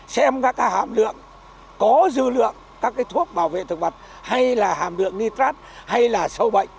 xem các hàm lượng có dư lượng các thuốc bảo vệ thực vật hay là hàm lượng nitrat hay là sâu bệnh